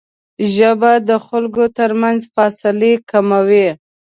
ژبه د خلکو ترمنځ فاصلې راکموي